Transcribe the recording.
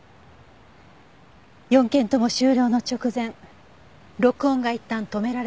４件とも終了の直前録音がいったん止められていました。